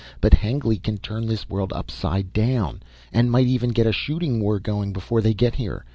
But Hengly can turn this world upside down and might even get a shooting war going before they get here.